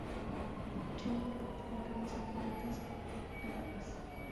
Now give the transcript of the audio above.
Tronco recto, con ramas cilíndricas glabras.